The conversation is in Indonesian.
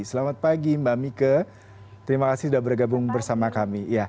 selamat pagi mbak mika terima kasih sudah bergabung bersama kami